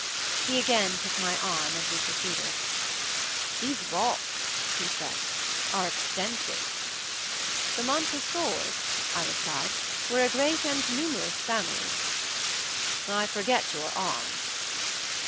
He again took my arm, and we proceeded. "These vaults," he said, "are extensive." "The Montresors," I replied, "were a great and numerous family." "I forget your arms."